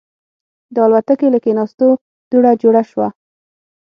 د الوتکې له کېناستو دوړه جوړه شوه.